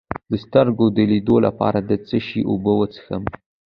د سترګو د لید لپاره د څه شي اوبه وڅښم؟